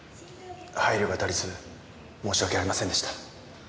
配慮が足りず申し訳ありませんでした。